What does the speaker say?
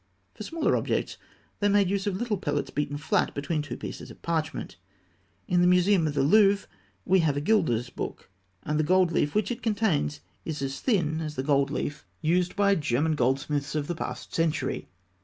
For smaller objects, they made use of little pellets beaten flat between two pieces of parchment. In the Museum of the Louvre we have a gilder's book, and the gold leaf which it contains is as thin as the gold leaf used by the German goldsmiths of the past century.